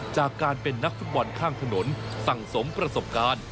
จากการเป็นนักฟุตบอลข้างถนนสั่งสมประสบการณ์